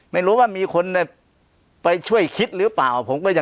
ไม่รู้ว่ามีคนไปช่วยคิดหรือเปล่า